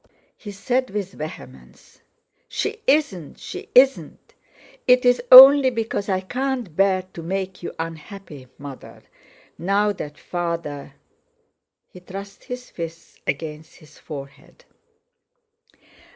He said with vehemence: "She isn't—she isn't. It's only because I can't bear to make you unhappy, Mother, now that Father—" He thrust his fists against his forehead.